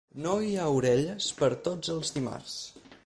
No hi ha orelles per tots els dimarts.